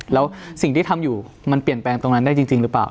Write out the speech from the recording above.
แล้วสิ่งที่ทำอยู่มันเปลี่ยนแปลงตรงนั้นได้จริงหรือเปล่า